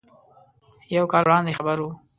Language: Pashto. یو کال وړاندې خبر و.